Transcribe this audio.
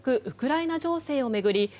ウクライナ情勢を巡り